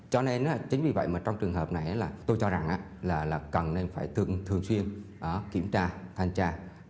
cho nên chính vì vậy mà trong trường hợp này là tôi cho rằng là cần nên phải thường xuyên kiểm tra thanh tra